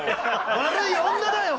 悪い女だよ